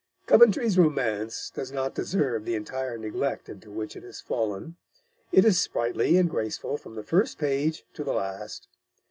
Coventry's romance does not deserve the entire neglect into which it has fallen. It is sprightly and graceful from the first page to the last.